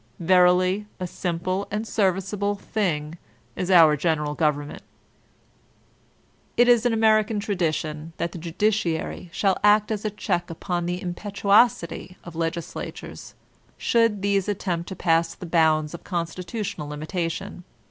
Verily, a sim pk and a serviceable thing is our general government It is American tradition that the Judiciary shall act as a check upon the impetuosity of Legislatures, should these attempt to pass the bounds of constitutional limita tion.